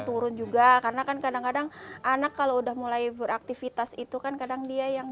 turun juga karena kan kadang kadang anak kalau udah mulai beraktivitas itu kan kadang dia yang